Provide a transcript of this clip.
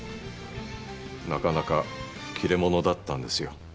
なかなかキレ者だったんですよ。